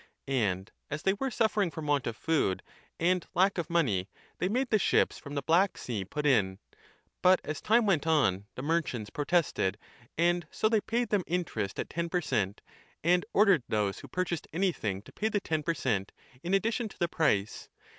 And as they were suffering from want of food and lack of money, they made the ships from 30 the Black Sea put in ; but, as time went on, the merchants protested and so they paid them interest at ten per cent, and ordered those who purchased anything to pay the ten per cent, in addition to the price.